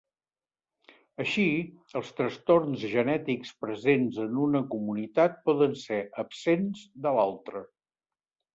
Així, els trastorns genètics presents en una comunitat poden ser absents de l'altra.